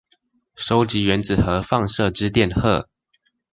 收集原子核放射之電荷